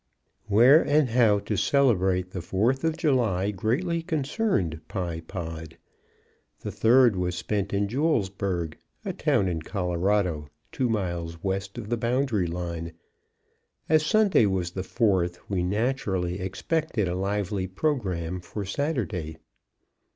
_ Where and how to celebrate the Fourth of July greatly concerned Pye Pod. The third was spent in Julesburg, a town in Colorado, two miles west of the boundary line; as Sunday was the Fourth, we naturally expected a lively programme for Saturday.